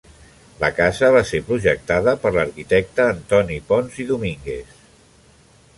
La casa va ser projectada per l'arquitecte Antoni Pons i Domínguez.